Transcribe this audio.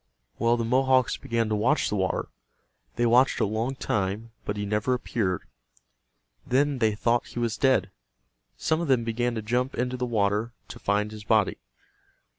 Well, the Mohawks began to watch the water. They watched a long time, but he never appeared. Then they thought he was dead. Some of them began to jump into the water to find his body.